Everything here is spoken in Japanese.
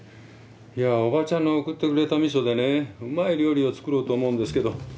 いや叔母ちゃんの送ってくれた味噌でねうまい料理を作ろうと思うんですけど。